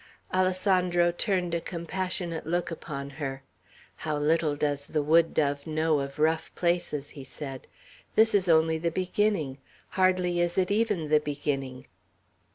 Alessandro turned a compassionate look upon her. "How little does the wood dove know of rough places!" he said. "This is only the beginning; hardly is it even the beginning."